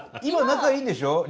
今仲いいんでしょ？